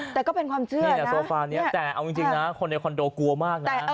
แต่ก็เป็นความเชื่อนี่แหละโซฟานี้แต่เอาจริงนะคนในคอนโดกลัวมากนะ